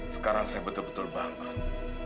sekarang saya betul betul bangga